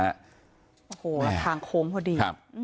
โอ้โหทางโค้งพอดี